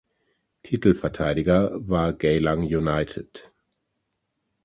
Titelverteidiger war Geylang United.